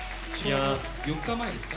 ４日前ですか？